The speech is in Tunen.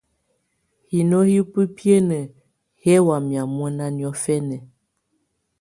Hino hɛ̀ ùbibiǝ́nǝ́ hɛ̀ wamɛ̀á mɔnà niɔ̀fɛna.